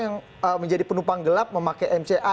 yang menjadi penumpang gelap memakai mca